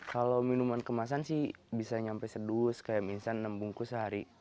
kalau minuman kemasan sih bisa nyampe sedus kayak mie instan enam bungkus sehari